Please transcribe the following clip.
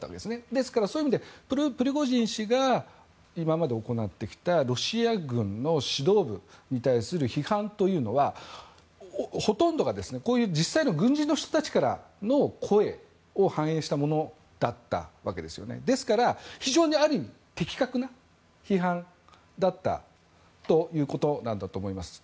ですから、そういう意味ではプリゴジン氏が今まで行ってきたロシア軍の指導部に対する批判というのはほとんどが実際の軍人の人たちからの声を反映したものだったわけですよねですから非常に、ある意味的確な批判だったということなんだと思います。